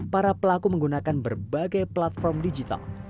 para pelaku menggunakan berbagai platform digital